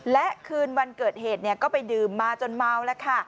และคืนวันเกิดเหตุก็ไปดื่มมาจนเมาแล้วค่ะ